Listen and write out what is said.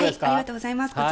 ありがとうございます